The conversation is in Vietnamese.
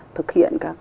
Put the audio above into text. thực hiện các